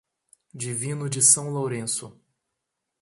Divino de São Lourenço